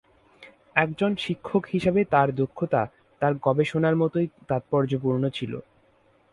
একজন শিক্ষক হিসাবে তার দক্ষতা তার গবেষণার মতোই তাৎপর্যপূর্ণ ছিল।